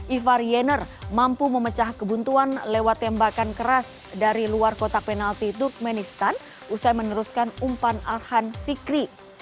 ivar yenner mampu memecah kebuntuan lewat tembakan keras dari luar kotak penalti turkmenistan usai meneruskan umpan arhan fikri